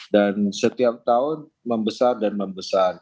dan setiap tahun membesar dan membesar